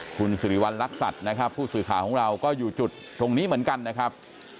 คุณสิริวัณรักษัตริย์นะครับผู้สื่อข่าวของเราก็อยู่จุดตรงนี้เหมือนกันนะครับ